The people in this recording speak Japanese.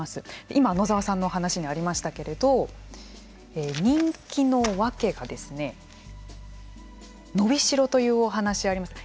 今野澤さんの話にありましたけれど人気のわけが伸びしろというお話がありました。